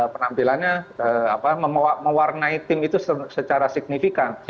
penampilannya mewarnai tim itu secara signifikan